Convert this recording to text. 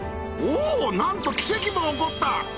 おおなんと奇跡も起こった！